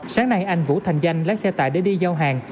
sáng nay anh vũ thành danh lái xe tải để đi giao hàng